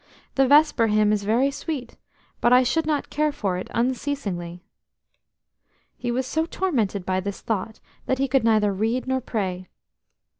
The vesper hymn is very sweet, but I should not care for it unceasingly." He was so tormented by this thought that he could neither read nor pray.